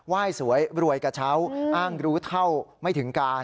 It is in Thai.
ยสวยรวยกระเช้าอ้างรู้เท่าไม่ถึงการ